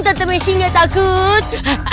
tante messi gak takut